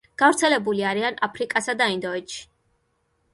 გავრცელებული არიან აფრიკასა და ინდოეთში.